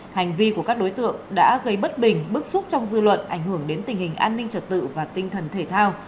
hành vi của các đối tượng đã gây bất bình bức xúc trong dư luận ảnh hưởng đến tình hình an ninh trật tự và tinh thần thể thao